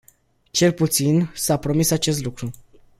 Cel puțin s-a promis acest lucru.